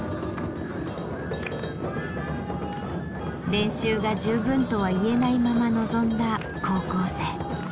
練習が十分とは言えないまま臨んだ高校生。